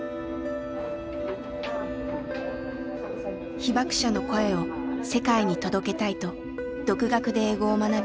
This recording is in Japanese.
被爆者の声を世界に届けたいと独学で英語を学び